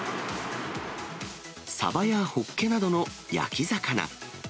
サバやホッケなどの焼き魚。